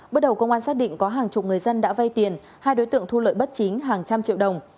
bước đầu công an xác định có hàng chục người dân đã vay tiền hai đối tượng thu lợi bất chính hàng trăm triệu đồng